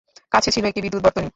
কাছে ছিল একটি বিদ্যুৎ বর্তনী।